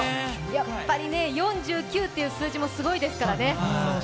やっぱり４９という数字もすごいですからね。